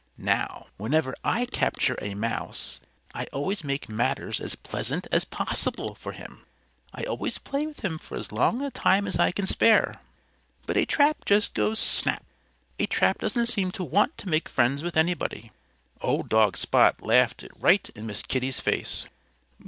Now, whenever I capture a mouse I always make matters as pleasant as possible for, him. I always play with him for as long a time as I can spare. But a trap just goes snap! A trap doesn't seem to want to make friends with anybody." Old dog Spot laughed right in Miss Kitty's face.